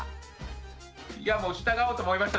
いやもう従おうと思いました